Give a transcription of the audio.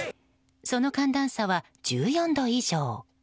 その寒暖差は１４度以上。